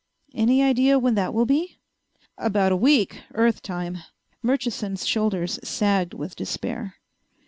"Any idea when that will be?" "About a week, Earth time." Murchison's shoulders sagged with despair.